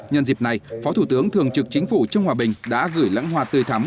nhân dịp này phó thủ tướng thường trực chính phủ trương hòa bình đã gửi lãnh hòa tươi thắm